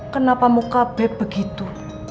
kenapa muka beb begitu